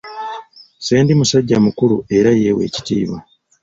Ssendi musajja mukulu era yeewa ekitiibwa.